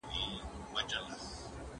دا ستونزه باید په جرګه کې حل شي.